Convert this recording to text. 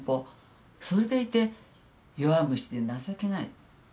それでいて弱虫で情けない。